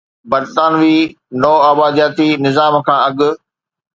برطانوي نوآبادياتي نظام کان اڳ